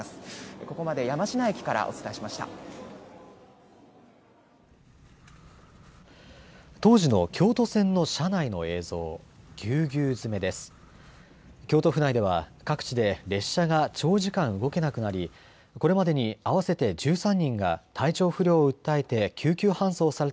ここまで山科駅からお伝えしました。